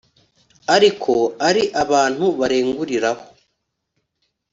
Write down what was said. ariko ari abantu barenguriraho